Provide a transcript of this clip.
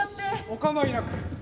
お構いなく。